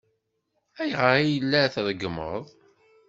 Ayɣer ay la treggmeḍ?